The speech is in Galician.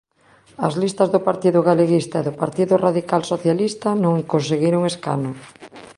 As listas do Partido Galeguista e do Partido Radical Socialista non conseguiron escano.